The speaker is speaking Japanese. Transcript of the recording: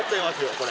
これ。